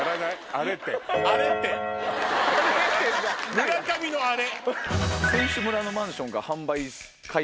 村上の「あれ」。